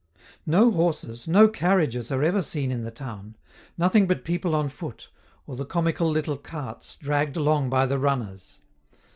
No horses, no carriages are ever seen in the town; nothing but people on foot, or the comical little carts dragged along by the runners.